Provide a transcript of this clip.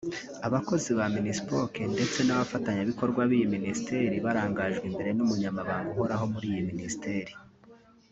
Abakozi ba Minispoc ndetse n’abafatanyabikorwa b’iyi minisiteri barangajwe imbere n’umunyamabanga uhoraho muri iyi minisiteri